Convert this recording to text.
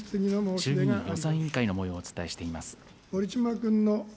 衆議院予算委員会のもようをお伝えしています。